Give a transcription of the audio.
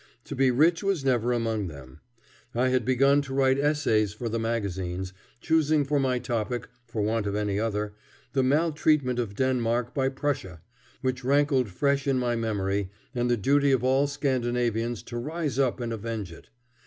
To be rich was never among them. I had begun to write essays for the magazines, choosing for my topic, for want of any other, the maltreatment of Denmark by Prussia, which rankled fresh in my memory, and the duty of all Scandinavians to rise up and avenge it.